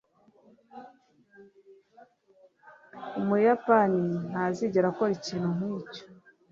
Umuyapani ntazigera akora ikintu nkicyo.